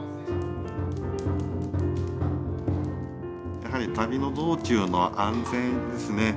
やはり旅の道中の安全ですね。